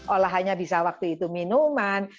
olahannya bisa waktu itu minuman